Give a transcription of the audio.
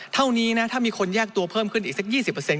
เท่านี้นะถ้ามีคนแยกตัวเพิ่มขึ้นอีกสัก๒๐